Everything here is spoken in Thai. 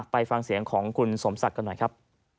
ไปฟังเสียงของคุณสมศักดิ์กันหน่อยครับ